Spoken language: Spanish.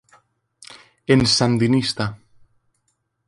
En "Sandinista!